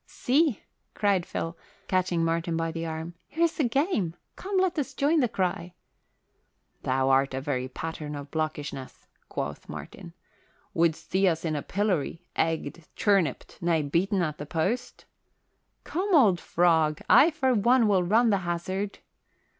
"See!" cried Phil, catching Martin by the arm. "Here's a game. Come, let us join the cry." "Thou art a very pattern of blockishness," quoth Martin. "Would'st see us in pillory, egged, turnipped, nay, beaten at the post?" "Come, old frog, I for one will run the hazard."